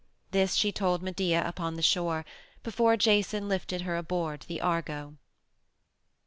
This she told Medea upon the shore, before Jason lifted her aboard the Argo.